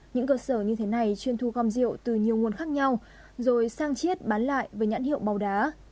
những cơ sở như thế này chuyên thu gom rượu từ nhiều nguồn khác nhau rồi sang chiết bán lại với nhãn hiệu màu đá